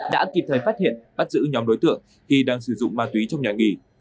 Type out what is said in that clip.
đã kịp thời phát hiện bắt giữ nhóm đối tượng khi đang sử dụng ma túy trong nhạc nghị